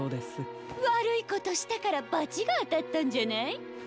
わるいことしたからバチがあたったんじゃない？